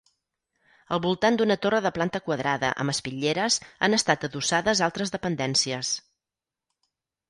Al voltant d'una torre de planta quadrada, amb espitlleres, han estat adossades altres dependències.